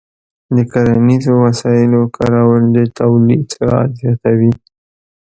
د کرنیزو وسایلو کارول د تولید سرعت زیاتوي.